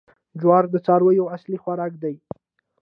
جوار د څارویو اصلي خوراک دی.